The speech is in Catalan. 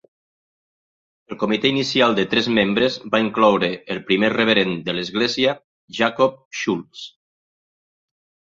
El comitè inicial de tres membres va incloure el primer reverend de l'església, Jacob Schultz.